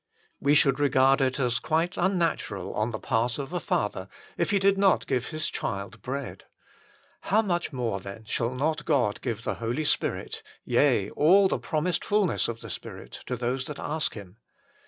We should regard it as quite unnatural on the part of a father if he did not give his child bread ; how much more, then, shall not God give the Holy Spirit, yea, all the promised fulness of the Spirit, to those that ask Him.